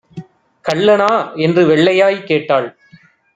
"கள்ளனா" என்று வெள்ளையாய்க் கேட்டாள்.